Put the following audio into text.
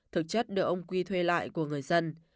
thực chất được ông quy thuê lại của người dân